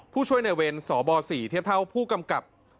ผู้ช่วยในเวรสบ๔เทียบเท่าผู้กำกับ